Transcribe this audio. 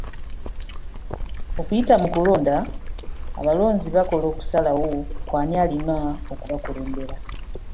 Okuyita mu kulonda, abalonzi bakola okusalawo ku ani alina okubakulembera.